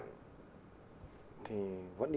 thì vẫn đi theo